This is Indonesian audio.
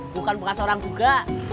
bukan bekas orang juga